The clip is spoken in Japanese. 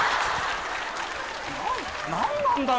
何なんだよ